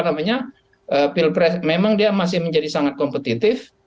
namanya pilpres memang dia masih menjadi sangat kompetitif